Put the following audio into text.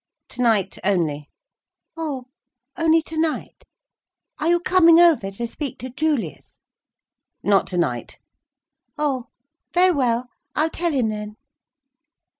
"Tonight only." "Oh, only tonight. Are you coming over to speak to Julius?" "Not tonight." "Oh very well. I'll tell him then."